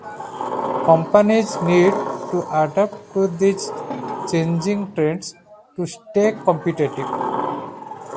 Companies need to adapt to these changing trends to stay competitive.